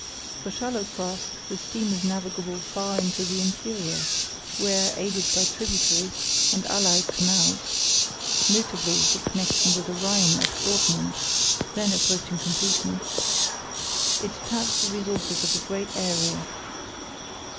For shallow craft the stream is navigable far into the interior, where, aided by tributaries and allied canals (notably the connection with the Rhine at Dortmund, then approaching completion), it taps the resources of a great area.